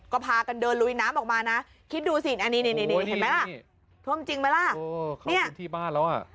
ก็พากันเดินลุยน้ำออกมาน่ะคิดดูสิอันนี้นี่นี่นี่เห็นไหมล่ะ